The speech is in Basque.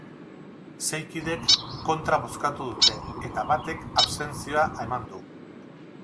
Sei kidek kontra bozkatu dute eta batek abstentzioa eman du.